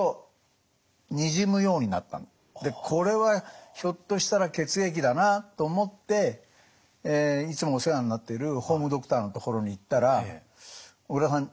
でこれはひょっとしたら血液だなと思っていつもお世話になってるホームドクターのところに行ったら「小倉さん